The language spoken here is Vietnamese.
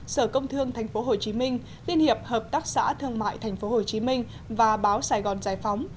sở công thương tp hcm liên hiệp hợp tác xã thương mại tp hcm và báo sài gòn giải phóng